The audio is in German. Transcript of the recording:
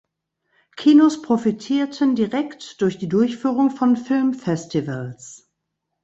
Kinos profitierten direkt durch die Durchführung von Filmfestivals.